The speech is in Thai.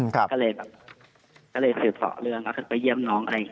ก็เลยซื้อเฉาะเรื่องแล้วก็พิเศษไปเยี่ยมน้อง